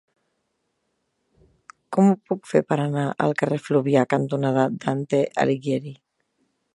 Com ho puc fer per anar al carrer Fluvià cantonada Dante Alighieri?